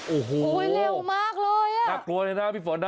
โอ้โฮมันเร็วมากเลยอะน่ากลัวในหน้าพี่ฝอดนะ